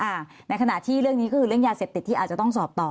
ในขณะที่เรื่องนี้ก็คือเรื่องยาเสพติดที่อาจจะต้องสอบต่อ